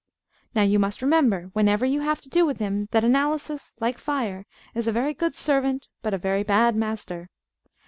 Now you must remember, whenever you have to do with him, that Analysis, like fire, is a very good servant, but a very bad master.